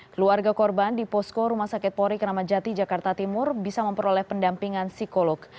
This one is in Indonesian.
keluarga korban di posko rumah sakit polri keramajati jakarta timur bisa memperoleh pendampingan psikolog